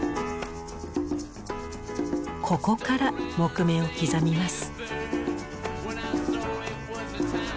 ここから木目を刻みます。